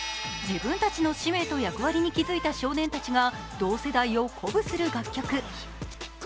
自分たちの使命と役割に気付いた少年たちが同世代を鼓舞する楽曲。